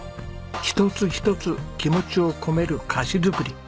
一つ一つ気持ちを込める菓子作り。